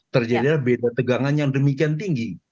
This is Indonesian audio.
terjadi beda tegangan yang demikian tinggi